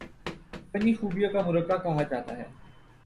فنی خوبیوں کا مرقع کہا جاتا ہے